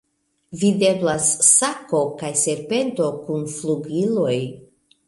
Videblas sako kaj serpento kun flugiloj.